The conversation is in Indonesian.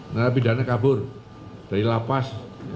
nah napi dana kabur dari lapas